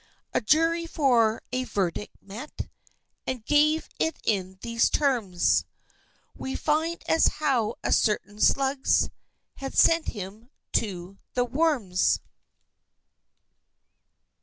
A Jury for a Verdict met, And gave in it these terms: "We find as how as certain slugs Has sent him to the worms!"